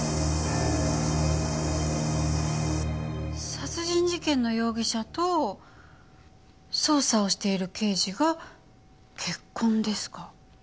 殺人事件の容疑者と捜査をしている刑事が結婚ですか。